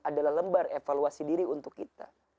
adalah lembar evaluasi diri untuk kita